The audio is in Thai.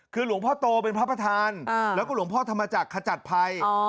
คือหลวงพ่อโตเป็นพระประธานแล้วก็หลวงพ่อธรรมจักรขจัดภัย